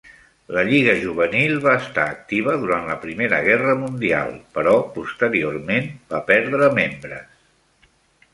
La lliga juvenil va estar activa durant la Primera guerra mundial, però posteriorment va perdre membres.